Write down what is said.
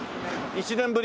１年ぶり？